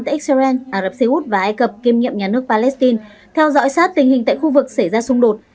tại israel ả rập xê út và ai cập kiêm nhiệm nhà nước palestine theo dõi sát tình hình tại khu vực xảy ra xung đột